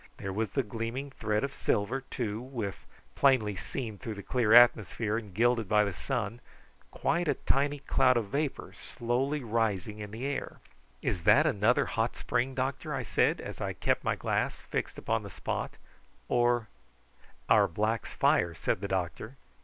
There was the gleaming thread of silver, too, with, plainly seen through the clear atmosphere and gilded by the sun, quite a tiny cloud of vapour slowly rising in the air. "Is that another hot spring, doctor?" I said, as I kept my glass fixed upon the spot; "or " "Our blacks' fire," said the doctor.